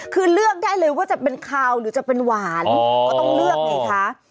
คือเลือกได้เลยว่าจะเป็นคาวหรือจะเป็นหวานก็ต้องเลือกไงคะ